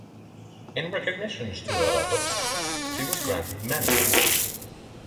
In recognition to her efforts, she was granted many awards.